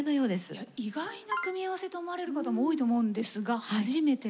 意外な組み合わせと思われる方も多いと思うんですが初めての。